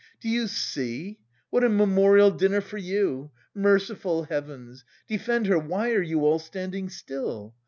Do you see? What a memorial dinner for you! Merciful heavens! Defend her, why are you all standing still?